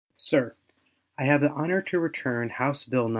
SIR: I have the honor to return House bill No.